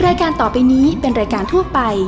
รายการต่อไปนี้เป็นรายการทั่วไป